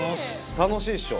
楽しいっしょ？